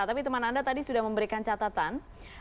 tapi teman anda tadi sudah memberikan catatan